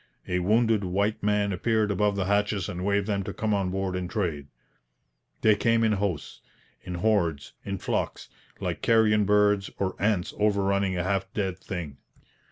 A wounded white man appeared above the hatches and waved them to come on board and trade. They came in hosts, in hordes, in flocks, like carrion birds or ants overrunning a half dead thing.